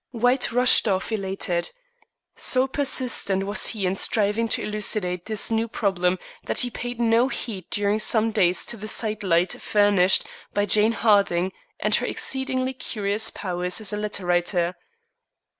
White rushed off elated. So persistent was he in striving to elucidate this new problem that he paid no heed during some days to the side light furnished by Jane Harding and her exceedingly curious powers as a letter writer.